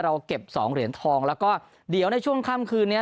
เราเก็บสองเหรียญทองแล้วก็เดี๋ยวในช่วงค่ำคืนนี้